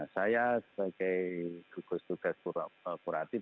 saya sebagai gugus tugas kuratif